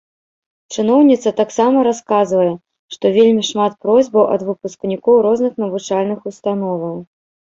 Чыноўніца таксама расказвае, што вельмі шмат просьбаў ад выпускнікоў розных навучальных установаў.